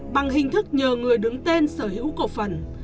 bằng hình thức nhờ người đứng tên sở hữu cổ phần